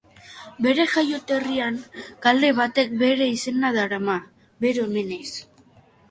Bere jaioterrian kale batek bere izena darama, bere omenez.